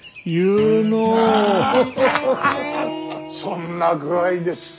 そんな具合です。